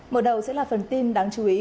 mở đầu sẽ là phần tin đáng chú ý